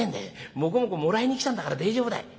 もこもこもらいに来たんだから大丈夫だよ」。